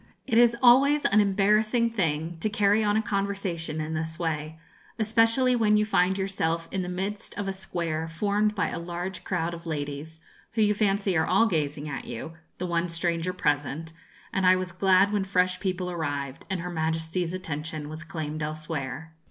It is always an embarrassing thing to carry on a conversation in this way, especially when you find yourself in the midst of a square formed by a large crowd of ladies, who you fancy are all gazing at you, the one stranger present, and I was glad when fresh people arrived, and her Majesty's attention was claimed elsewhere.